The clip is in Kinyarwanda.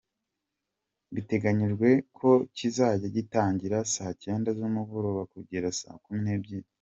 Biteganyijwe ko kizajya gitangira saa Cyenda z’umugoroba kugera saa kumi n’ebyiri.